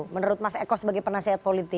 menurut mas eko sebagai penasehat politik